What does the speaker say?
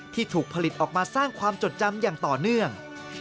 ที่ถูกผลิตออกมาสร้างความจดจำอย่างต่อเนื่อง